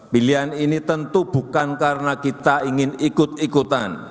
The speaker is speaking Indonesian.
pilihan ini tentu bukan karena kita ingin ikut ikutan